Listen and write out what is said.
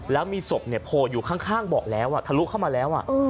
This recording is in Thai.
แล้วมีศพโผล่อยู่ข้างเบาะแล้วทะลุเข้ามาแล้ว